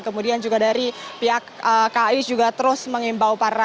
kemudian juga dari pihak ki juga terus mengimplementasinya